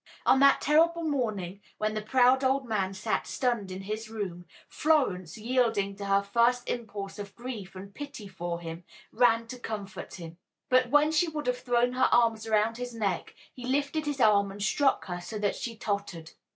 On that terrible morning, when the proud old man sat stunned in his room, Florence, yielding to her first impulse of grief and pity for him, ran to him to comfort him. But when she would have thrown her arms around his neck he lifted his arm and struck her so that she tottered.